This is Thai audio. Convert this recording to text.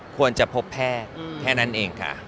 ควรจะพบแพทย์แค่นั้นเองค่ะ